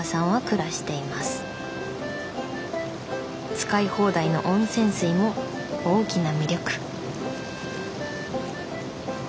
使い放題の温泉水も大きな魅力。